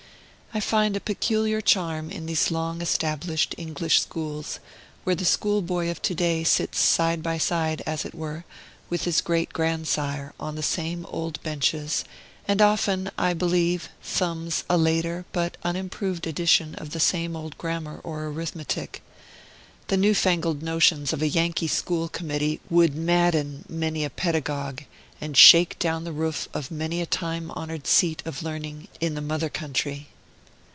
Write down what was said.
I find a peculiar charm in these long established English schools, where the school boy of to day sits side by side, as it were, with his great grandsire, on the same old benches, and often, I believe, thumbs a later, but unimproved edition of the same old grammar or arithmetic. The newfangled notions of a Yankee school committee would madden many a pedagogue, and shake down the roof of many a time honored seat of learning, in the mother country.